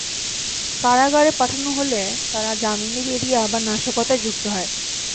কারাগারে পাঠানো হলে পরে তারা জামিনে বেরিয়ে আবার নাশকতায় যুক্ত হয়।